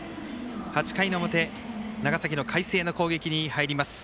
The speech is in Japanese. ８回の表長崎の海星の攻撃に入ります。